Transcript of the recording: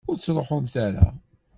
Ur ttṛuḥumt ara!